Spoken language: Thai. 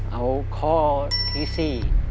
เอาข้อที่๔